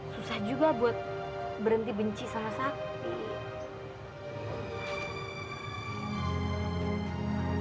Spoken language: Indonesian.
susah juga buat berhenti benci sama sapi